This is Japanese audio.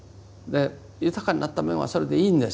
豊かになった面はそれでいいんです。